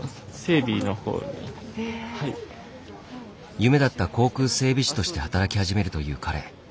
夢だった航空整備士として働き始めるという彼。